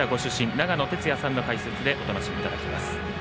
長野哲也さんの解説でお楽しみいただきます。